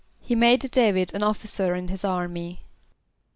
=He made D[=a]´vid an officer in his army.